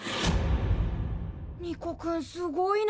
ニコくんすごいな。